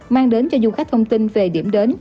mang đến cho du khách thông tin về điểm đến